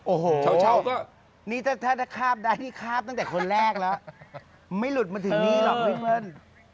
โอ้โหเช่าก็นี่ถ้าคาบได้นี่คาบตั้งแต่คนแรกแล้วไม่หลุดมาถึงนี่หรอกพี่เบิ้ล